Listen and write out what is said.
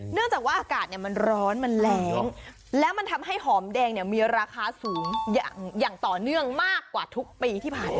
เนื่องจากว่าอากาศมันร้อนมันแรงแล้วมันทำให้หอมแดงเนี่ยมีราคาสูงอย่างต่อเนื่องมากกว่าทุกปีที่ผ่านมา